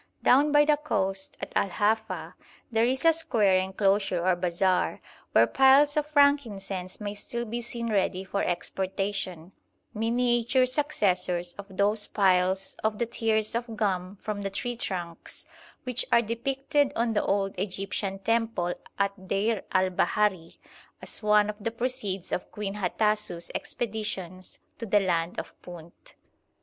Down by the coast at Al Hafa there is a square enclosure or bazaar where piles of frankincense may still be seen ready for exportation, miniature successors of those piles of the tears of gum from the tree trunks which are depicted on the old Egyptian temple at Deir al Bahari as one of the proceeds of Queen Hatasou's expeditions to the land of Punt.